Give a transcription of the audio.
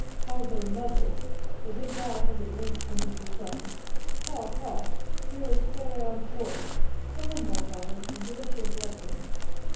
"Call her — mother. The good God has at length sent us a son. Ha — ha! here is Pere Antoine! Come in, my Father, and give us your blessing."